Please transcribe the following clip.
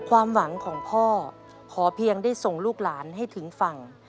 ความหวังของพ่อขอเพียงได้ส่งลูกหลานให้ถึงฝั่ง